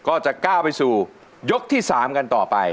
ก็จะก้าวไปสู่ยกที่๓กันต่อไป